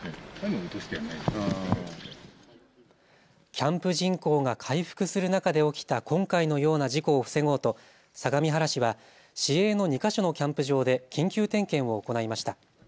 キャンプ人口が回復する中で起きた今回のような事故を防ごうと相模原市は市営の２か所のキャンプ場で緊急点検を行いました。